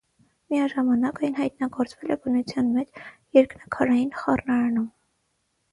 Միաժամանակ այն հայտնագործվել է բնության մեջ, երկնաքարային խառնարանում։